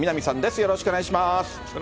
よろしくお願いします。